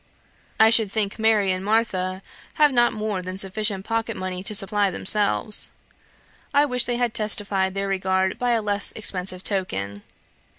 I should think Mary and Martha have not more than sufficient pocket money to supply themselves. I wish they had testified their regard by a less expensive token.